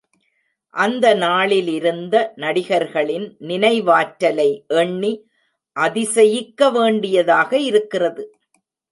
அந்த நாளிலிருந்த நடிகர்களின் நினைவாற்றலை எண்ணி அதிசயிக்கவேண்டியதாக இருக்கிறது.